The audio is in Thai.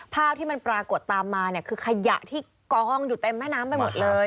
ภาพที่มันปรากฏตามมาเนี่ยคือขยะที่กองอยู่เต็มแม่น้ำไปหมดเลย